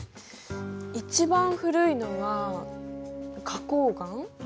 一番古いのは花こう岩？